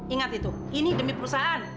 ingat itu ini demi perusahaan